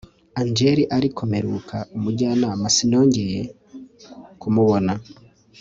Angel ariko mperuka umujyana sinongoye kumubona